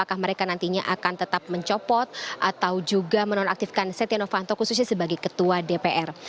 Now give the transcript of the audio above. apakah mereka nantinya akan tetap mencopot atau juga menonaktifkan setia novanto khususnya sebagai ketua dpr